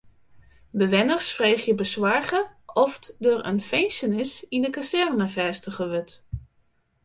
Bewenners freegje besoarge oft der in finzenis yn de kazerne fêstige wurdt.